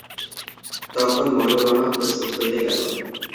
তখন মনোরমা প্রস্তুত হইতে গেল।